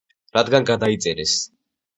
რადგან გადაიწერეს